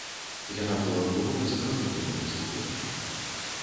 Яна была глыбока закранута яго сыходам.